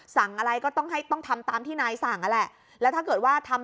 สั่งอะไรก็ต้องให้ต้องทำตามที่นายสั่งนั่นแหละแล้วถ้าเกิดว่าทำ